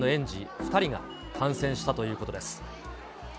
２人が感染したということです。